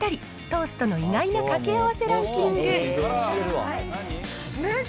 トーストの意外なかけ合わせランキング。